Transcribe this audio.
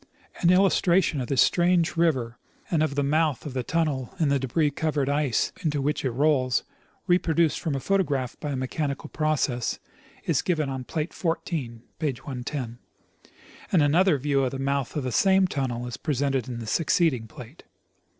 An illustration of this strange river and of the mouth of the tunnel in the debris covered ice into which it rolls, reproduced from a photograph by a mechanical process, is given on plate 14 (page 110), and another view of the mouth of the same tunnel is presented in the succeeding plate.